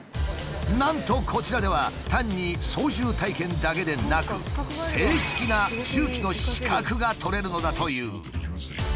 なんとこちらでは単に操縦体験だけでなく正式な重機の資格が取れるのだという。